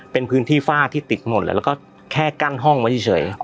เป็นพื้นที่ฝ้าที่ติดหมดแล้วก็แค่กั้นห้องไว้เฉย